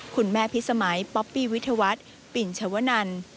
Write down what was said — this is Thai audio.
คุณแม่พิษสมัยป๊อปปี้วิธวัฒน์ปิ่นชวนัน